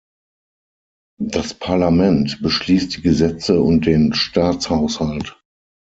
Das Parlament beschließt die Gesetze und den Staatshaushalt.